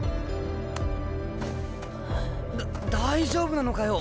だ大丈夫なのかよ？